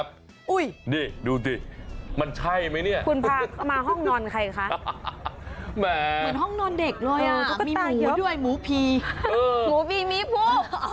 มีหมูด้วยหมูพี่หมูพี่หมูผู้